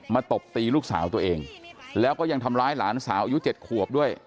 ตบตีลูกสาวตัวเองแล้วก็ยังทำร้ายหลานสาวอายุ๗ขวบด้วย